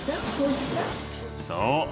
そう。